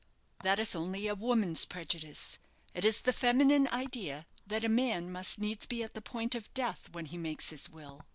"That is only a woman's prejudice. It is the feminine idea that a man must needs be at the point of death when he makes his will.